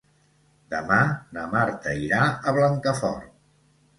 Demà na Marta irà a Blancafort.